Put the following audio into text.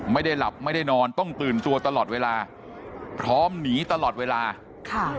ไม่ได้หลับไม่ได้นอนต้องตื่นตัวตลอดเวลาพร้อมหนีตลอดเวลาค่ะ